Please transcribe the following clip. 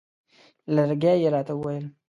لرګی یې راته وویل.